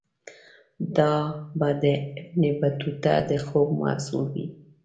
دا به د ابن بطوطه د خوب محصول وي.